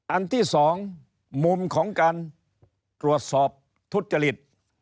อันที่๒มุมของการตรวจสอบทุจริต